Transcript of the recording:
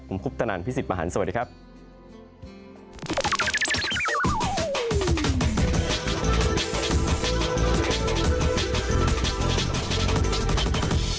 ผมคุปตนันพี่สิทธิ์มหันฯสวัสดีครับ